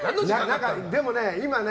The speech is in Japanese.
でもね、今ね